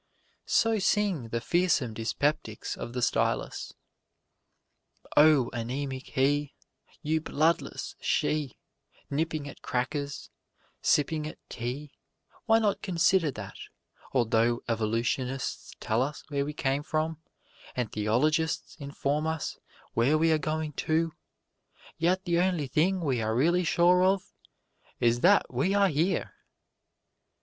So sing the fearsome dyspeptics of the stylus. O anemic he, you bloodless she, nipping at crackers, sipping at tea, why not consider that, although evolutionists tell us where we came from, and theologians inform us where we are going to, yet the only thing we are really sure of is that we are here!